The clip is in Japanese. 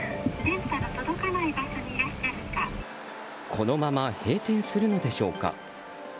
このまま閉店するのでしょうか。